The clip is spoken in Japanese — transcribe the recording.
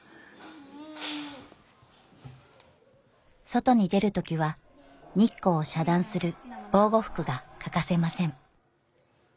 外に出る時は日光を遮断する防護服が欠かせません